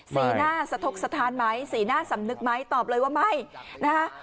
สีหน้าสะทกสถานไหมสีหน้าสำนึกไหมตอบเลยว่าไม่นะคะ